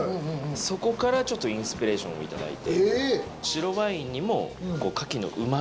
そこからちょっとインスピレーションをいただいて作業ですね